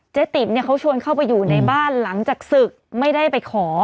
ติ๋มเนี่ยเขาชวนเข้าไปอยู่ในบ้านหลังจากศึกไม่ได้ไปขอ